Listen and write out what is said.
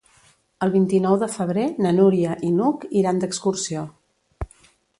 El vint-i-nou de febrer na Núria i n'Hug iran d'excursió.